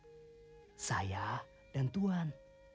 jadi saya dan tuan